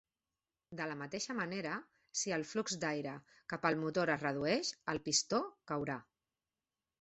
De la mateixa manera, si el flux d'aire cap al motor es redueix, el pistó caurà.